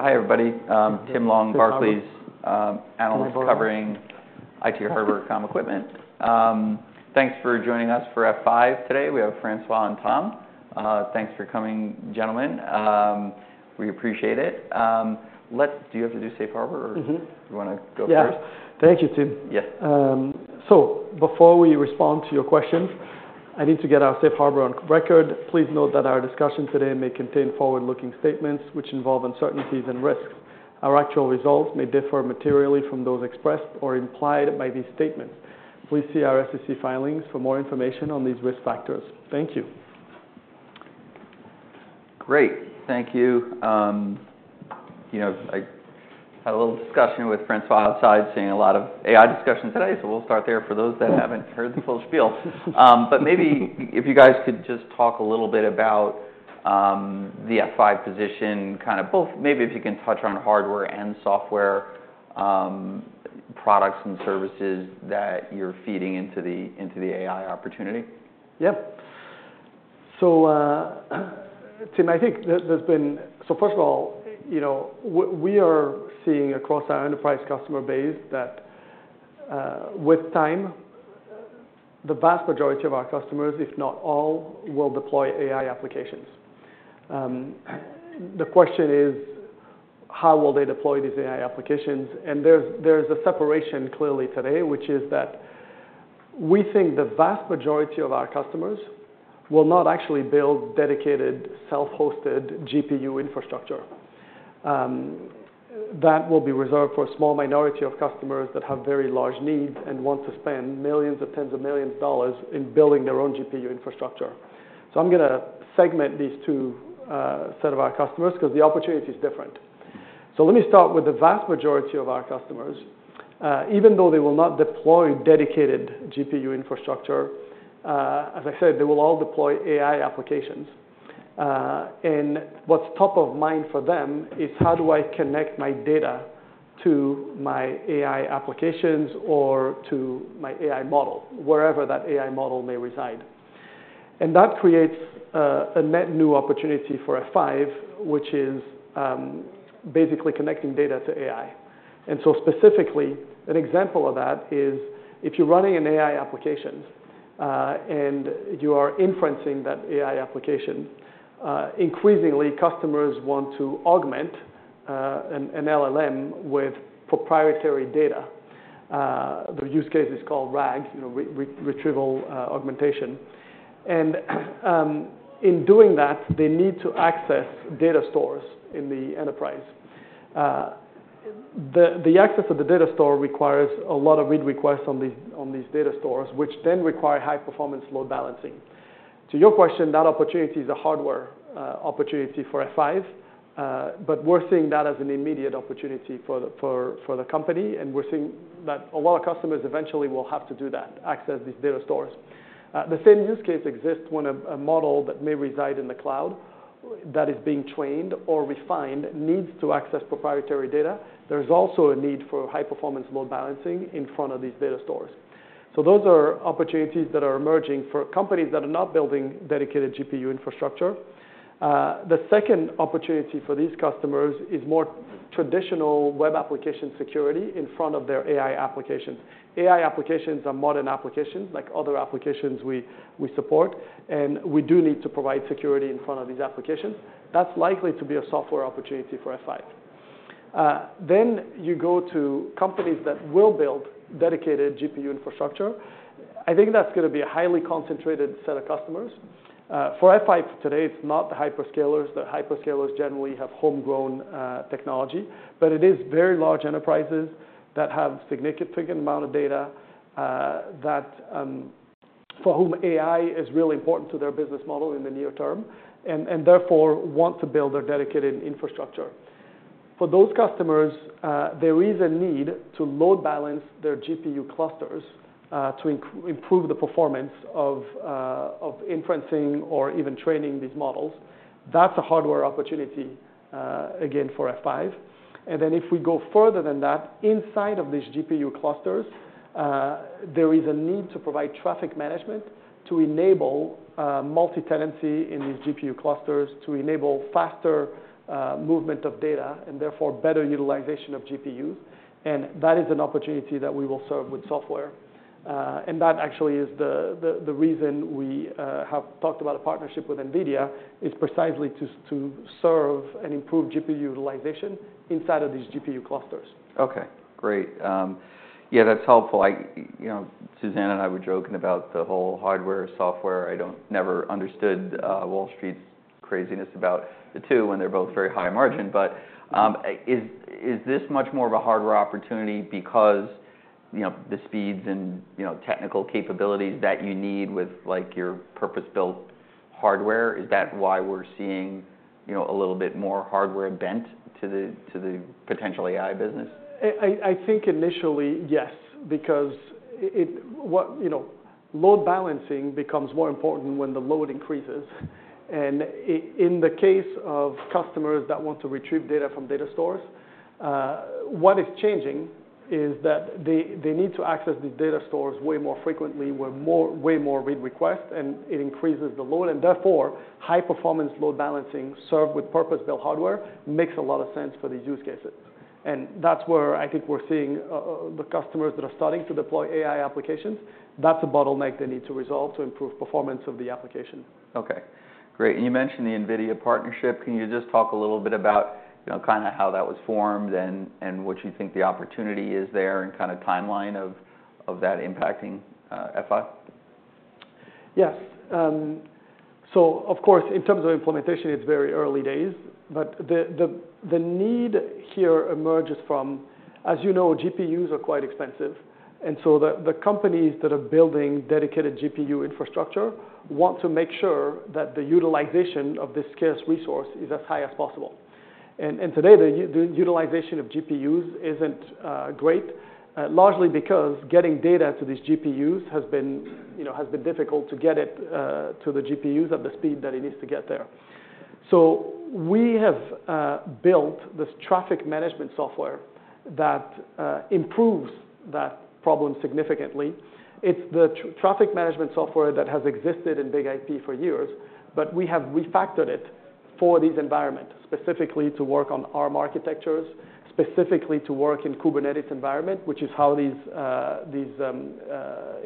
Hi, everybody. Tim Long, Barclays, Analyst Covering IT Hardware, Comm Equipment. Thanks for joining us for F5 today. We have François and Tom. Thanks for coming, gentlemen. We appreciate it. Let's. Do you have to do Safe Harbor, or? You want to go first? Yeah. Thank you, Tim. Yeah. So before we respond to your questions, I need to get our Safe Harbor on record. Please note that our discussion today may contain forward-looking statements which involve uncertainties and risks. Our actual results may differ materially from those expressed or implied by these statements. Please see our SEC filings for more information on these risk factors. Thank you. Great. Thank you. You know, I had a little discussion with François outside, seeing a lot of AI discussion today, so we'll start there for those that haven't heard the full spiel. But maybe if you guys could just talk a little bit about the F5 position, kind of both. Maybe if you can touch on hardware and software, products and services that you're feeding into the AI opportunity. Yeah. So, Tim, first of all, you know, we are seeing across our enterprise customer base that, with time, the vast majority of our customers, if not all, will deploy AI applications. The question is, how will they deploy these AI applications? There's a separation clearly today, which is that we think the vast majority of our customers will not actually build dedicated self-hosted GPU infrastructure. That will be reserved for a small minority of customers that have very large needs and want to spend millions or tens of millions of dollars in building their own GPU infrastructure, so I'm going to segment these two sets of our customers 'cause the opportunity's different, so let me start with the vast majority of our customers. Even though they will not deploy dedicated GPU infrastructure, as I said, they will all deploy AI applications. And what's top of mind for them is, how do I connect my data to my AI applications or to my AI model, wherever that AI model may reside? And that creates a net new opportunity for F5, which is basically connecting data to AI. And so specifically, an example of that is, if you're running an AI application, and you are inferencing that AI application, increasingly customers want to augment an LLM with proprietary data. The use case is called RAG, you know, retrieval augmentation. And in doing that, they need to access data stores in the enterprise. The access of the data store requires a lot of read requests on these data stores, which then require high-performance load balancing. To your question, that opportunity is a hardware opportunity for F5, but we're seeing that as an immediate opportunity for the company, and we're seeing that a lot of customers eventually will have to do that, access these data stores. The same use case exists when a model that may reside in the cloud that is being trained or refined needs to access proprietary data. There's also a need for high-performance load balancing in front of these data stores. So those are opportunities that are emerging for companies that are not building dedicated GPU infrastructure. The second opportunity for these customers is more traditional web application security in front of their AI applications. AI applications are modern applications, like other applications we support, and we do need to provide security in front of these applications. That's likely to be a software opportunity for F5. Then you go to companies that will build dedicated GPU infrastructure. I think that's going to be a highly concentrated set of customers. For F5 today, it's not the hyperscalers. The hyperscalers generally have homegrown technology, but it is very large enterprises that have a significant amount of data, that for whom AI is really important to their business model in the near term, and therefore want to build their dedicated infrastructure. For those customers, there is a need to load balance their GPU clusters, to improve the performance of inferencing or even training these models. That's a hardware opportunity, again for F5. And then if we go further than that, inside of these GPU clusters, there is a need to provide traffic management to enable multi-tenancy in these GPU clusters, to enable faster movement of data, and therefore better utilization of GPUs. And that is an opportunity that we will serve with software. And that actually is the reason we have talked about a partnership with NVIDIA, is precisely to serve and improve GPU utilization inside of these GPU clusters. Okay. Great. Yeah, that's helpful. Suzanne and I were joking about the whole hardware-software. I don't never understood Wall Street's craziness about the two when they're both very high margin, but is this much more of a hardware opportunity because the speeds and, you know, technical capabilities that you need with, like, your purpose-built hardware? Is that why we're seeing, a little bit more hardware bent to the potential AI business? I think initially, yes, because, you know, load balancing becomes more important when the load increases. And in the case of customers that want to retrieve data from data stores, what is changing is that they need to access these data stores way more frequently with way more read request, and it increases the load. And therefore, high-performance load balancing served with purpose-built hardware makes a lot of sense for these use cases. And that's where I think we're seeing the customers that are starting to deploy AI applications; that's a bottleneck they need to resolve to improve performance of the application. Okay. Great. And you mentioned the NVIDIA partnership. Can you just talk a little bit about, you know, kind of how that was formed and what you think the opportunity is there and kind of timeline of that impacting F5? Yes. So of course, in terms of implementation, it's very early days, but the need here emerges from, as you know, GPUs are quite expensive. And so the companies that are building dedicated GPU infrastructure want to make sure that the utilization of this scarce resource is as high as possible. And today, the utilization of GPUs isn't great, largely because getting data to these GPUs has been difficult to get it to the GPUs at the speed that it needs to get there. So we have built this traffic management software that improves that problem significantly. It's the traffic management software that has existed in BIG-IP for years, but we have refactored it for these environments, specifically to work on ARM architectures, specifically to work in Kubernetes environment, which is how these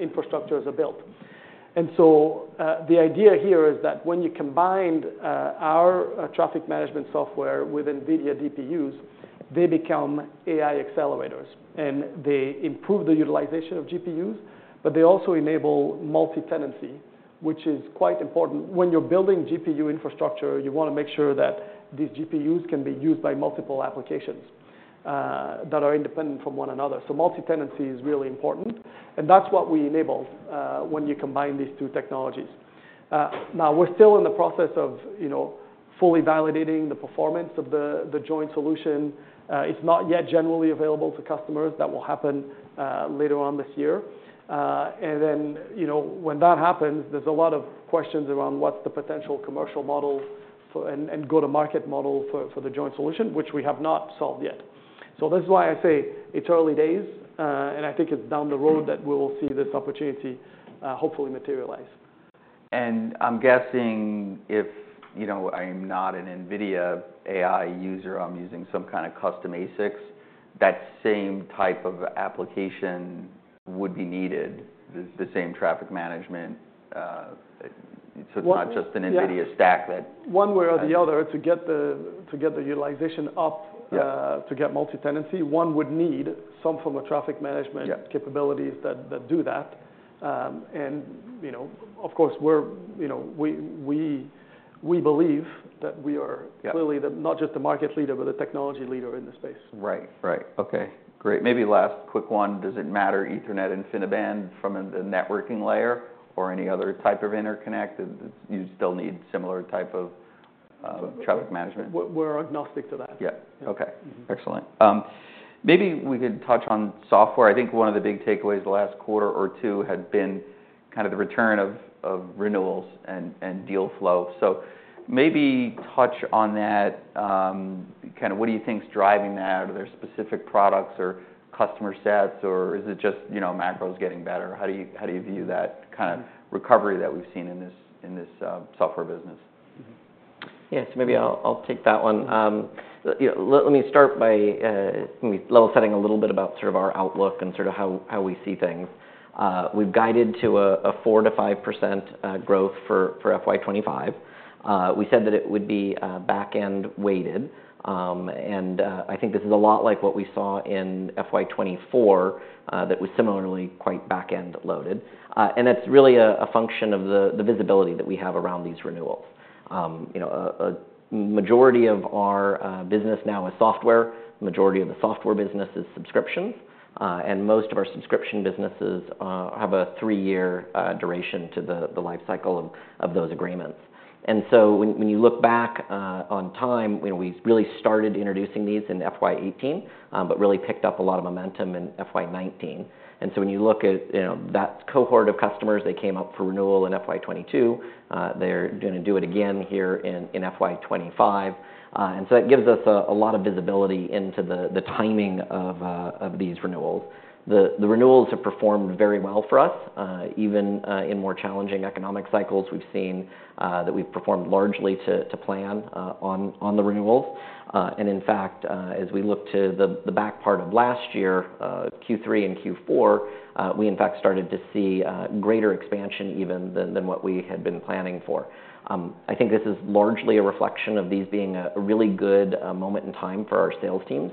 infrastructures are built. And so the idea here is that when you combine our traffic management software with NVIDIA DPUs, they become AI accelerators, and they improve the utilization of GPUs, but they also enable multi-tenancy, which is quite important. When you're building GPU infrastructure, you want to make sure that these GPUs can be used by multiple applications that are independent from one another. So multi-tenancy is really important, and that's what we enabled when you combine these two technologies. Now we're still in the process of, you know, fully validating the performance of the joint solution. It's not yet generally available to customers. That will happen later on this year. And then you know when that happens, there's a lot of questions around what's the potential commercial model for and go-to-market model for the joint solution, which we have not solved yet. So this is why I say it's early days, and I think it's down the road that we will see this opportunity, hopefully materialize. I'm guessing if I'm not an NVIDIA AI user, I'm using some kind of custom ASICs, that same type of application would be needed, the same traffic management, so it's not just an NVIDIA stack that. One way or the other, to get the utilization up, to get multi-tenancy, one would need some form of traffic management. Yeah. Capabilities that do that, and you know, of course, we're, you know, we believe that we are clearly not just the market leader, but the technology leader in the space. Right. Right. Okay. Great. Maybe last quick one. Does it matter, Ethernet and InfiniBand from the networking layer or any other type of interconnect? You still need similar type of traffic management? We're agnostic to that. Yeah. Okay. Excellent. Maybe we could touch on software. I think one of the big takeaways the last quarter or two had been kind of the return of renewals and deal flow. So maybe touch on that, kind of what do you think's driving that? Are there specific products or customer sets, or is it just, you know, macros getting better? How do you view that kind of recovery that we've seen in this software business? Yeah. So maybe I'll take that one. You know, let me start by maybe level setting a little bit about sort of our outlook and sort of how we see things. We've guided to a 4%-5% growth for FY 2025. We said that it would be back-end weighted. And I think this is a lot like what we saw in FY 2024, that was similarly quite back-end loaded. And that's really a function of the visibility that we have around these renewals. You know, a majority of our business now is software. Majority of the software business is subscriptions. And most of our subscription businesses have a three-year duration to the life cycle of those agreements. And so when you look back over time, we really started introducing these in FY 2018, but really picked up a lot of momentum in FY 2019. And so when you look at, you know, that cohort of customers, they came up for renewal in FY 2022. They're gonna do it again here in FY 2025. And so that gives us a lot of visibility into the timing of these renewals. The renewals have performed very well for us, even in more challenging economic cycles. We've seen that we've performed largely to plan on the renewals. And in fact, as we look to the back part of last year, Q3 and Q4, we in fact started to see greater expansion even than what we had been planning for. I think this is largely a reflection of these being a really good moment in time for our sales teams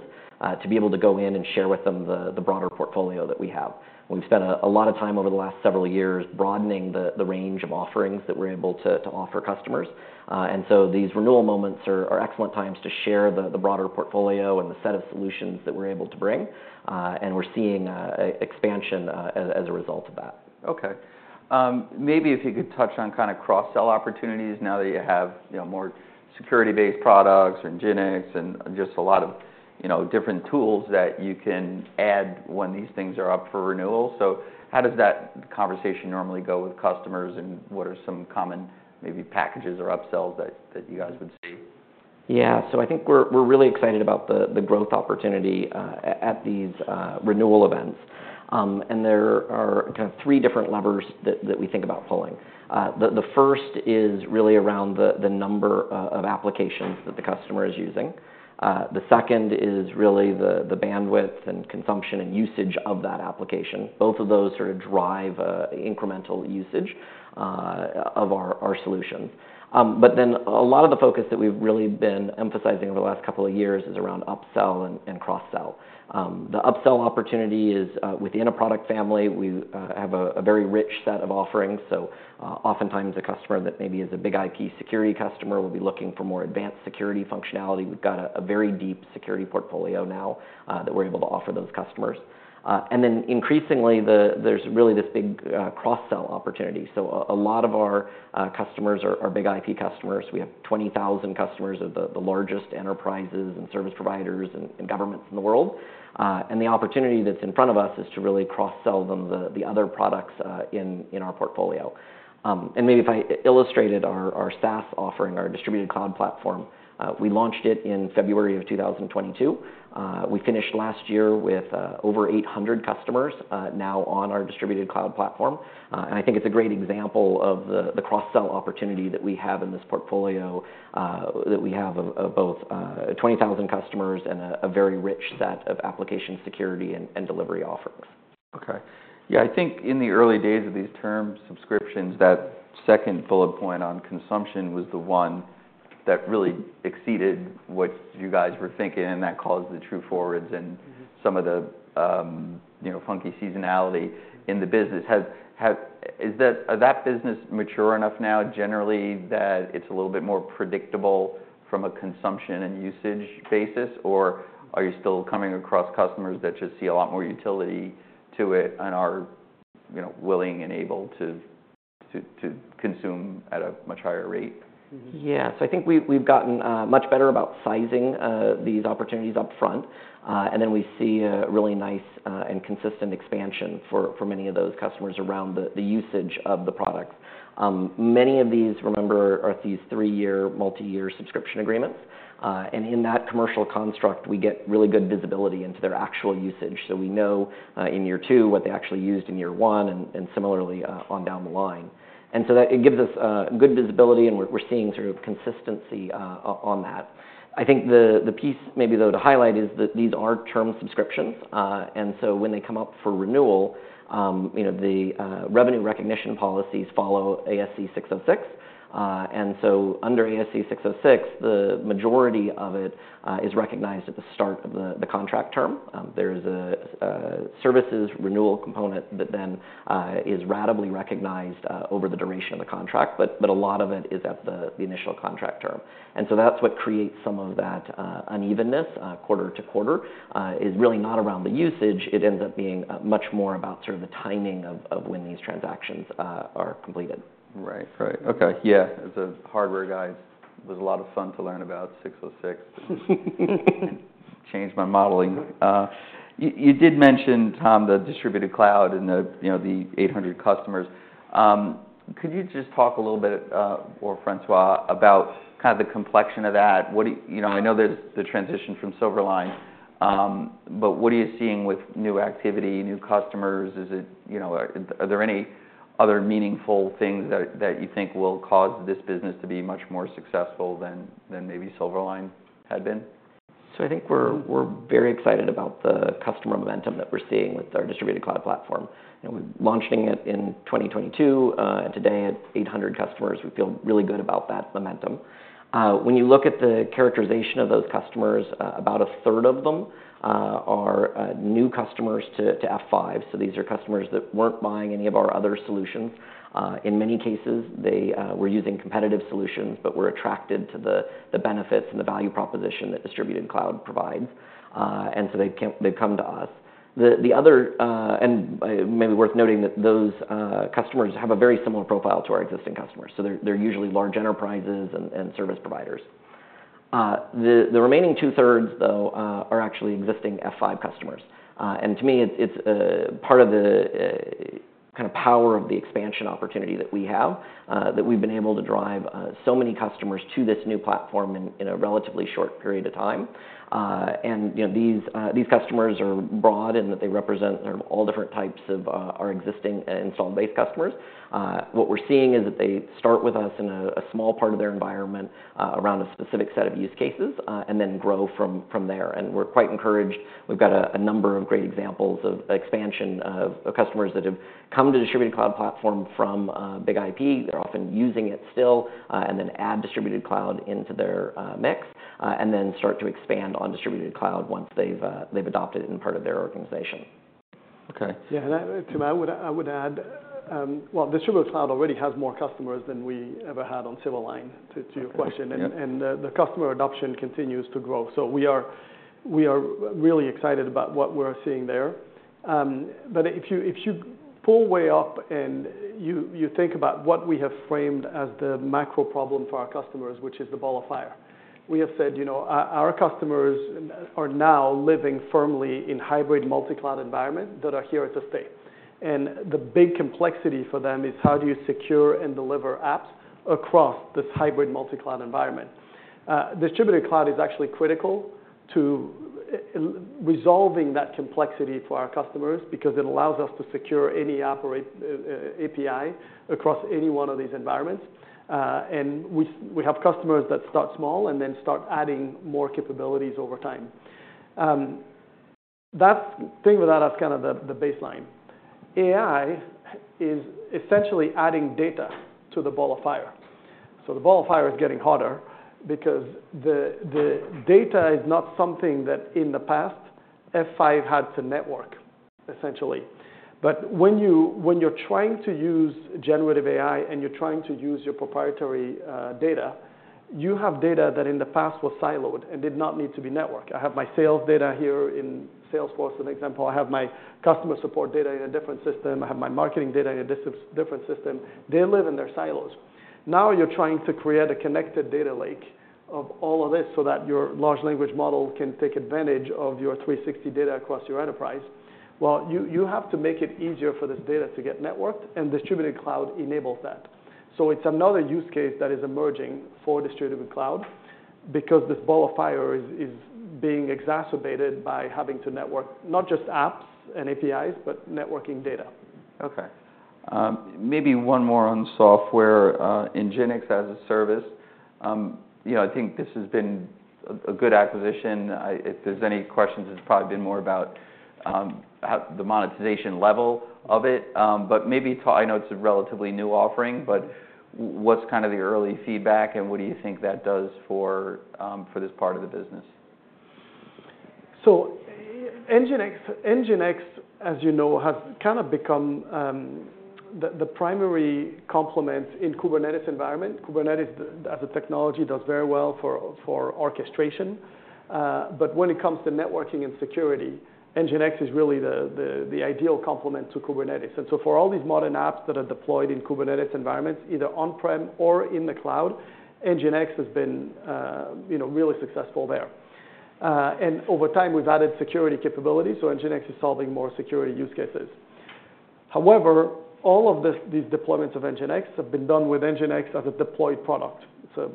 to be able to go in and share with them the broader portfolio that we have. We've spent a lot of time over the last several years broadening the range of offerings that we're able to offer customers, and so these renewal moments are excellent times to share the broader portfolio and the set of solutions that we're able to bring, and we're seeing expansion as a result of that. Okay. Maybe if you could touch on kind of cross-sell opportunities now that you have, you know, more security-based products or NGINX and just a lot of, you know, different tools that you can add when these things are up for renewal, so how does that conversation normally go with customers, and what are some common maybe packages or upsells that you guys would see? Yeah. So I think we're really excited about the growth opportunity at these renewal events, and there are kind of three different levers that we think about pulling. The first is really around the number of applications that the customer is using. The second is really the bandwidth and consumption and usage of that application. Both of those sort of drive incremental usage of our solutions, but then a lot of the focus that we've really been emphasizing over the last couple of years is around upsell and cross-sell. The upsell opportunity is within a product family. We have a very rich set of offerings. So, oftentimes a customer that maybe is a BIG-IP security customer will be looking for more advanced security functionality. We've got a very deep security portfolio now that we're able to offer those customers. And then increasingly, there's really this big cross-sell opportunity. So a lot of our customers are BIG-IP customers. We have 20,000 customers of the largest enterprises and service providers and governments in the world. And the opportunity that's in front of us is to really cross-sell them the other products in our portfolio. And maybe if I illustrated our SaaS offering, our Distributed Cloud platform, we launched it in February of 2022. We finished last year with over 800 customers now on our Distributed Cloud platform. And I think it's a great example of the cross-sell opportunity that we have in this portfolio, that we have of both 20,000 customers and a very rich set of application security and delivery offerings. Okay. Yeah. I think in the early days of these term subscriptions, that second bullet point on consumption was the one that really exceeded what you guys were thinking, and that caused the true forwards and some of the, funky seasonality in the business. Has that business mature enough now generally that it's a little bit more predictable from a consumption and usage basis, or are you still coming across customers that just see a lot more utility to it and are, willing and able to consume at a much higher rate? Yeah. So I think we've gotten much better about sizing these opportunities upfront. And then we see a really nice and consistent expansion for many of those customers around the usage of the products. Many of these, remember, are these three-year, multi-year subscription agreements. And in that commercial construct, we get really good visibility into their actual usage. So we know in year two what they actually used in year one and similarly on down the line. And so that gives us good visibility, and we're seeing sort of consistency on that. I think the piece maybe though to highlight is that these are term subscriptions. And so when they come up for renewal, the revenue recognition policies follow ASC 606. And so under ASC 606, the majority of it is recognized at the start of the contract term. There is a services renewal component that then is ratably recognized over the duration of the contract. But a lot of it is at the initial contract term. And so that's what creates some of that unevenness quarter to quarter. It really is not around the usage. It ends up being much more about sort of the timing of when these transactions are completed. Right. Okay. Yeah. As a hardware guy, it was a lot of fun to learn about 606. Changed my modeling. You did mention, Tom, the Distributed Cloud and the, you know, the 800 customers. Could you just talk a little bit, or François, about kind of the complexion of that? What do you know? I know there's the transition from Silverline, but what are you seeing with new activity, new customers? Is it, you know, are there any other meaningful things that you think will cause this business to be much more successful than maybe Silverline had been? So I think we're very excited about the customer momentum that we're seeing with our Distributed Cloud platform. You know, we're launching it in 2022, today at 800 customers. We feel really good about that momentum. When you look at the characterization of those customers, about a third of them are new customers to F5. So these are customers that weren't buying any of our other solutions. In many cases, they were using competitive solutions, but were attracted to the benefits and the value proposition that Distributed Cloud provides. And so they've come to us. The other, and maybe worth noting that those customers have a very similar profile to our existing customers. So they're usually large enterprises and service providers. The remaining 2/3s though are actually existing F5 customers. To me, it's part of the kind of power of the expansion opportunity that we have, that we've been able to drive so many customers to this new platform in a relatively short period of time. You know, these customers are broad in that they represent sort of all different types of our existing installed base customers. What we're seeing is that they start with us in a small part of their environment, around a specific set of use cases, and then grow from there. We're quite encouraged. We've got a number of great examples of expansion of customers that have come to Distributed Cloud platform from BIG-IP. They're often using it still, and then add Distributed Cloud into their mix, and then start to expand on Distributed Cloud once they've adopted it in part of their organization. Okay. Yeah. And I would add, well, Distributed Cloud already has more customers than we ever had on Silverline to your question. The customer adoption continues to grow. We are really excited about what we're seeing there. If you pull way up and you think about what we have framed as the macro problem for our customers, which is the ball of fire, we have said, you know, our customers are now living firmly in hybrid multi-cloud environment that are here to stay. The big complexity for them is how do you secure and deliver apps across this hybrid multi-cloud environment? Distributed cloud is actually critical to resolving that complexity for our customers because it allows us to secure any app or API across any one of these environments. We have customers that start small and then start adding more capabilities over time. With that, that's kind of the baseline. AI is essentially adding data to the ball of fire. So the ball of fire is getting hotter because the data is not something that in the past F5 had to network essentially. But when you're trying to use generative AI, and you're trying to use your proprietary data, you have data that in the past was siloed and did not need to be networked. I have my sales data here in Salesforce, an example. I have my customer support data in a different system. I have my marketing data in a different system. They live in their silos. Now you're trying to create a connected data lake of all of this so that your large language model can take advantage of your 360 data across your enterprise. You have to make it easier for this data to get networked, and Distributed Cloud enables that, so it's another use case that is emerging for Distributed Cloud because this ball of fire is being exacerbated by having to network not just apps and APIs, but networking data. Okay. Maybe one more on software, in NGINX as a service. You know, I think this has been a good acquisition. If there's any questions, it's probably been more about how the monetization level of it. But maybe, I know it's a relatively new offering, but what's kind of the early feedback and what do you think that does for this part of the business? So NGINX, NGINX, as you know, has kind of become the primary complement in Kubernetes environment. Kubernetes as a technology does very well for orchestration. But when it comes to networking and security, NGINX is really the ideal complement to Kubernetes. And so for all these modern apps that are deployed in Kubernetes environments, either on-prem or in the cloud, NGINX has been, you know, really successful there. And over time we've added security capabilities. So NGINX is solving more security use cases. However, all of this, these deployments of NGINX have been done with NGINX as a deployed product.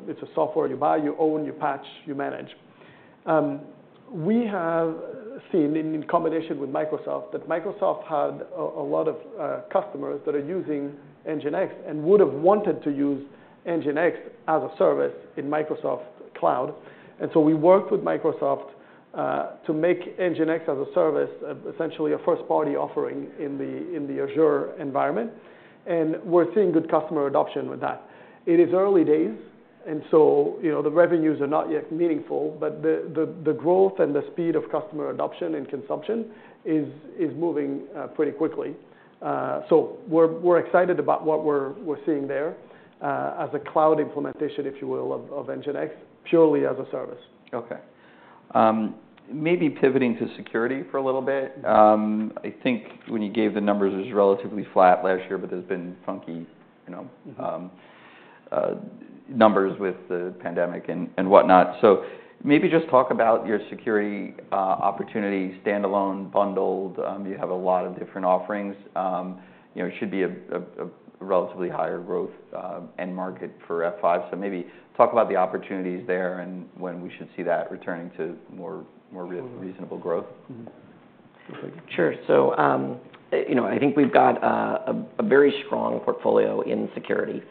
It's a software you buy, you own, you patch, you manage. We have seen, in combination with Microsoft, that Microsoft had a lot of customers that are using NGINX and would've wanted to use NGINX as a service in Microsoft Cloud. And so we worked with Microsoft to make NGINX as a service, essentially a first-party offering in the Azure environment. And we're seeing good customer adoption with that. It is early days, and so, the revenues are not yet meaningful, but the growth and the speed of customer adoption and consumption is moving pretty quickly, so we're excited about what we're seeing there, as a cloud implementation, if you will, of NGINX purely as a service. Okay. Maybe pivoting to security for a little bit. I think when you gave the numbers, it was relatively flat last year, but there's been funky, you know, numbers with the pandemic and whatnot. So maybe just talk about your security opportunity, standalone, bundled. You have a lot of different offerings. You know, it should be a relatively higher growth end market for F5. So maybe talk about the opportunities there and when we should see that returning to more reasonable growth. Sure, so you know, I think we've got a very strong portfolio in security,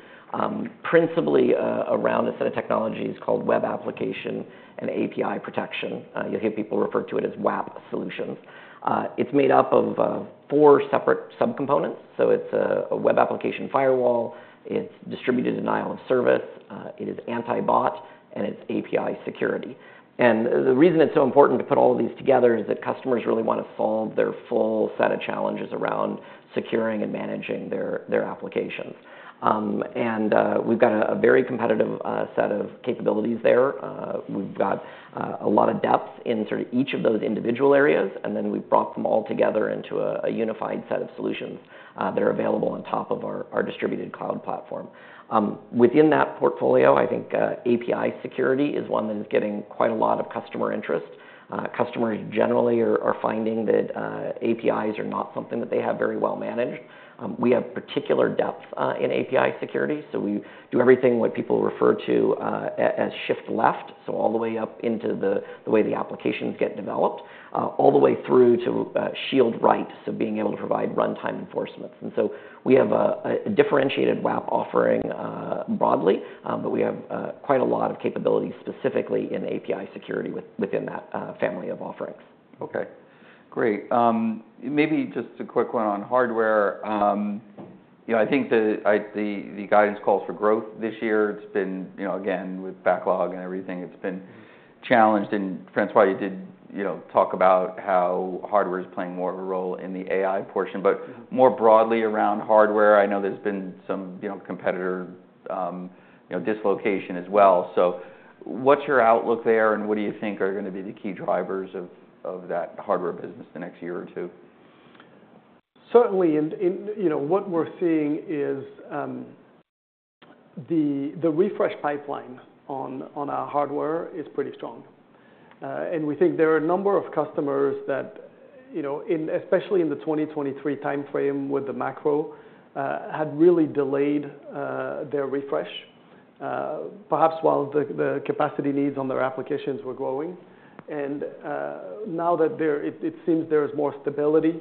principally around a set of technologies called web application and API protection. You'll hear people refer to it as WAAP solutions. It's made up of four separate subcomponents. So it's a web application firewall. It's distributed denial of service. It is anti-bot, and it's API security, and the reason it's so important to put all of these together is that customers really wanna solve their full set of challenges around securing and managing their applications. And we've got a very competitive set of capabilities there. We've got a lot of depth in sort of each of those individual areas, and then we've brought them all together into a unified set of solutions that are available on top of our Distributed Cloud platform. Within that portfolio, I think API security is one that is getting quite a lot of customer interest. Customers generally are finding that APIs are not something that they have very well managed. We have particular depth in API security. So we do everything what people refer to as Shift Left. So all the way up into the way the applications get developed, all the way through to the Shield Right. So being able to provide runtime enforcements. And so we have a differentiated WAAP offering, broadly, but we have quite a lot of capabilities specifically in API security within that family of offerings. Okay. Great. Maybe just a quick one on hardware. I think the guidance calls for growth this year. It's been, you know, again, with backlog and everything, it's been challenged. And François, you did talk about how hardware's playing more of a role in the AI portion, but more broadly around hardware. I know there's been some, you know, competitor dislocation as well. So what's your outlook there and what do you think are gonna be the key drivers of that hardware business the next year or two? Certainly. And you know, what we're seeing is the refresh pipeline on our hardware is pretty strong. And we think there are a number of customers that you know, especially in the 2023 timeframe with the macro, had really delayed their refresh, perhaps while the capacity needs on their applications were growing. Now that they're, it seems there's more stability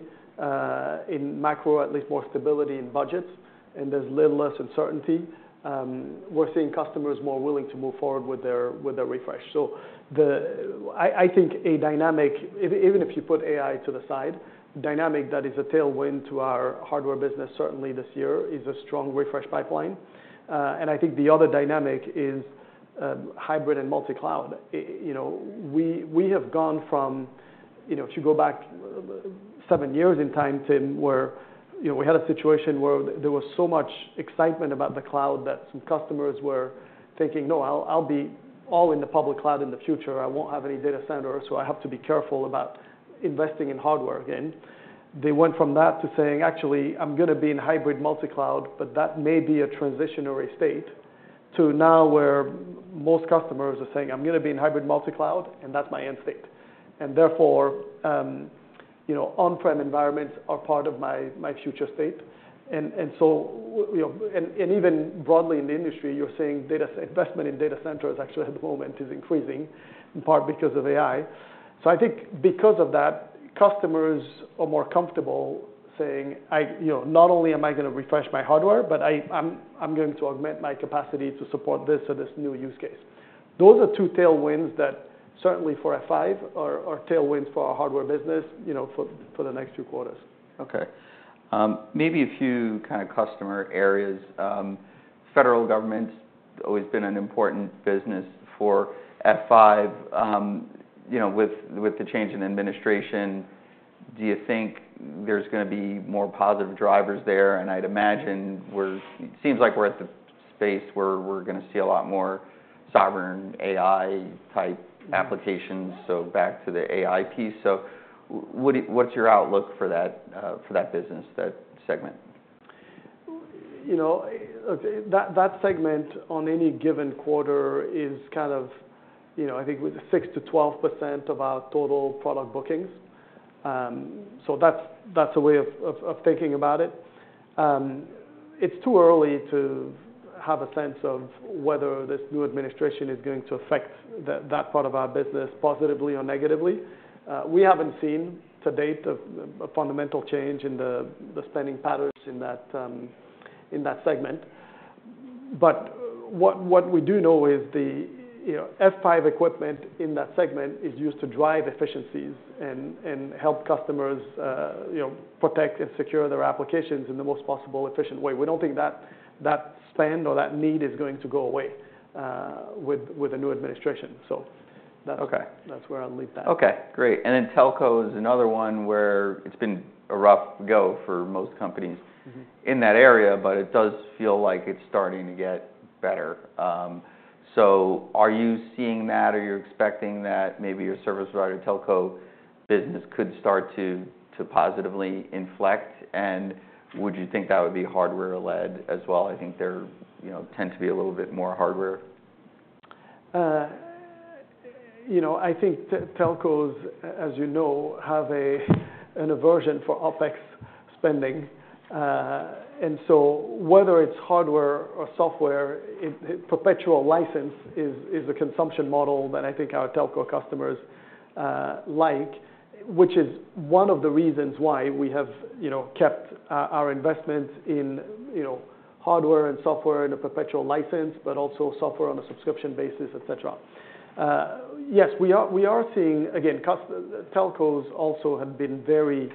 in macro, at least more stability in budgets, and there's little less uncertainty. We're seeing customers more willing to move forward with their refresh. So I think a dynamic, even if you put AI to the side, dynamic that is a tailwind to our hardware business certainly this year is a strong refresh pipeline. And I think the other dynamic is hybrid and multi-cloud. We have gone from, you know, if you go back seven years in time, Tim, where, we had a situation where there was so much excitement about the cloud that some customers were thinking, "No, I'll be all in the public cloud in the future. I won't have any data center, so I have to be careful about investing in hardware again." They went from that to saying, "Actually, I'm going to be in hybrid multi-cloud, but that may be a transitional state," to now where most customers are saying, "I'm going to be in hybrid multi-cloud, and that's my end state." And therefore, you know, on-prem environments are part of my future state. And so, even broadly in the industry, you're seeing data center investment actually at the moment is increasing in part because of AI. I think because of that, customers are more comfortable saying, "Not only am I gonna refresh my hardware, but I'm going to augment my capacity to support this or this new use case." Those are two tailwinds that certainly for F5 are tailwinds for our hardware business, you know, for the next two quarters. Okay. Maybe a few kind of customer areas. Federal government's always been an important business for F5. You know, with the change in administration, do you think there's going to be more positive drivers there? And I'd imagine we're. It seems like we're at the space where we're going to see a lot more sovereign AI type applications. So back to the AI piece. So what's your outlook for that, for that business, that segment? You know, look, that segment on any given quarter is kind of, I think with 6%-12% of our total product bookings. So that's a way of thinking about it. It's too early to have a sense of whether this new administration is going to affect that part of our business positively or negatively. We haven't seen to date a fundamental change in the spending patterns in that segment. But what we do know is, F5 equipment in that segment is used to drive efficiencies and help customers, protect and secure their applications in the most possible efficient way. We don't think that spend or that need is going to go away, with a new administration. So that's. Okay. That's where I'll leave that. Okay. Great. And then telco is another one where it's been a rough go for most companies in that area, but it does feel like it's starting to get better. So are you seeing that or you're expecting that maybe your service provider telco business could start to, to positively inflect? And would you think that would be hardware-led as well? I think there, you know, tend to be a little bit more hardware. You know, I think telcos, as you know, have an aversion for OpEx spending, and so whether it's hardware or software, it perpetual license is a consumption model that I think our telco customers like, which is one of the reasons why we have, kept our investment in, you know, hardware and software in a perpetual license, but also software on a subscription basis, et cetera. Yes, we are seeing again, customer telcos also have been very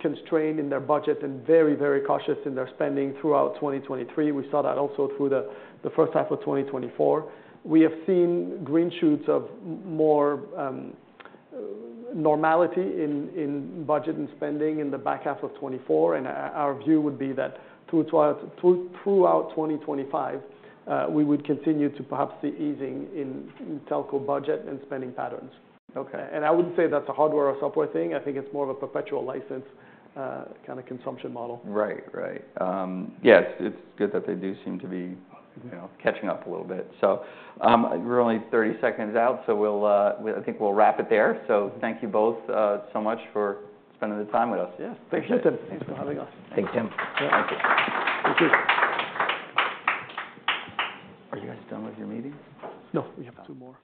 constrained in their budget and very cautious in their spending throughout 2023. We saw that also through the first half of 2024. We have seen green shoots of more normality in budget and spending in the back half of 2024. Our view would be that throughout 2025, we would continue to perhaps see easing in telco budget and spending patterns. Okay. I wouldn't say that's a hardware or software thing. I think it's more of a perpetual license, kind of consumption model. Right. Yeah, it's good that they do seem to be, you know, catching up a little bit. So, we're only 30 seconds out, so we'll, I think we'll wrap it there. So thank you both so much for spending the time with us. Yeah. Thank you, Tim. Thanks for having us. Thanks, Tim. Thank you. Are you guys done with your meetings? No, we have two more.